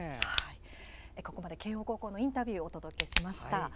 ここまで慶応高校のインタビューをお伝えしました。